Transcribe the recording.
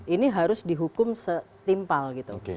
ini harus dihukum setimpal gitu